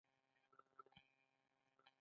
د رقیب دېرې ته مـــخامخ ولاړ یـــــم